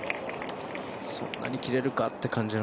そんなに切れるのかっていう。